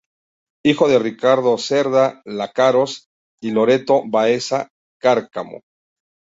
Hijo de Ricardo Cerda Lecaros y Loreto Baeza Cárcamo.